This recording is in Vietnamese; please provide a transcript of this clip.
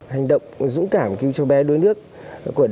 hành động dũng cảm cứu cháu bé đối nước